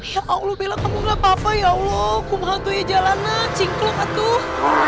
ya allah bella kamu gak apa apa ya allah kum hantunya jalana cingklok atuh